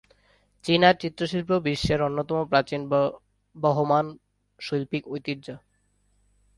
চীনা চিত্রশিল্প বিশ্বের অন্যতম প্রাচীন বহমান শৈল্পিক ঐতিহ্য।